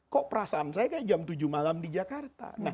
kok perasaan saya kan jam tujuh malam di jakarta